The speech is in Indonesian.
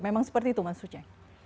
memang seperti itu maksudnya